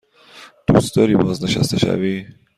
دوست داری بازنشسته شوی؟